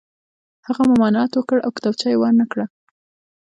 هغه ممانعت وکړ او کتابچه یې ور نه کړه